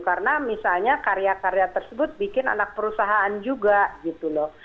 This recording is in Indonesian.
karena misalnya karya karya tersebut bikin anak perusahaan juga gitu loh